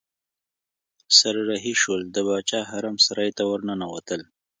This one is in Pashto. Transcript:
سره رهي شول د باچا حرم سرای ته ورننوتل.